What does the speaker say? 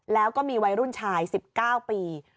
แล้วก็มีวัยรุ่นชาย๑๙ปี